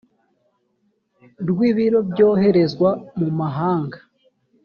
rw ibiro byoherezwa mu mahanga